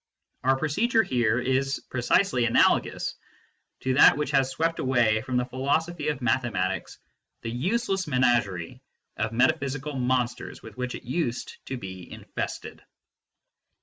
Our procedure here is precisely analogous to that which has swept away from the philosophy of mathematics the useless menagerie of metaphysical monsters with which it used to be in fested.